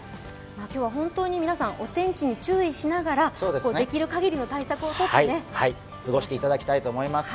今日は本当に皆さん、お天気に注意しながらできるかぎりの対策を取って過ごしていただきたいと思います。